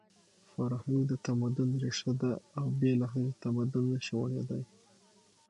فرهنګ د تمدن ریښه ده او بې له هغې تمدن نشي غوړېدی.